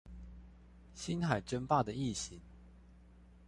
星海爭霸的異型